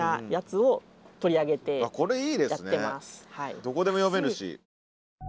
どこでも読めるし。